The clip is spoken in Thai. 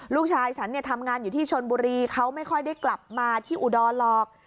ลูกชายฉันเนี่ยทำงานอยู่ที่ชนบุรีเขาไม่ค่อยได้กลับมาที่อุดรหรอก